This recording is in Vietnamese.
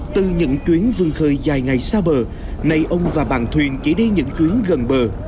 từ những chuyến vươn khơi dài ngày xa bờ nay ông và bàn thuyền chỉ đi những tuyến gần bờ